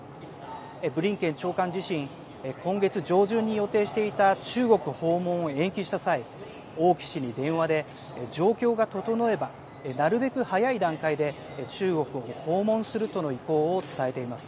ブリンケン長官自身今月上旬に予定していた中国訪問を延期した際王毅氏に電話で状況が整えばなるべく早い段階で中国を訪問するとの意向を伝えています。